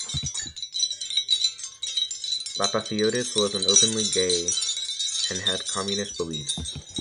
Lapathiotis was openly gay and had communist beliefs.